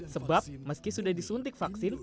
sebab meski sudah disuntik vaksin